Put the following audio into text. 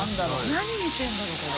何見てるんだろこれ。